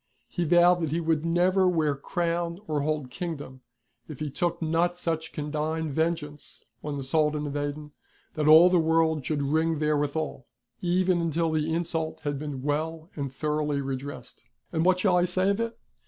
He vowed that he would never wear crown or hold kingdom if he took not such condign vengeance on the Soldan of Aden that all the world should ring therewithal, even until the insult had been well and thoroughly redressed. And what shall I say of it